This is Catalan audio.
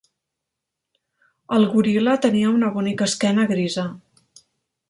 El goril·la tenia una bonica esquena grisa.